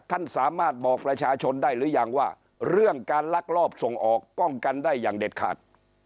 ท่านสามารถบอกประชาชนได้หรือยังว่าเรื่องการลักลอบส่งออกป้องกันได้อย่างเด็ดขาด